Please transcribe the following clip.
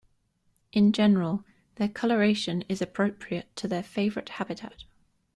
In general their coloration is appropriate to their favorite habitat.